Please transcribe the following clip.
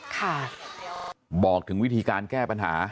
ค่ะบอกถึงวิธีการแก้ปัญหา